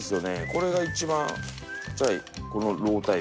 これが一番ちっちゃいこのロータイプ。